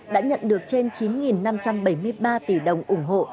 đã nhận được trên chín năm trăm bảy mươi ba tỷ đồng ủng hộ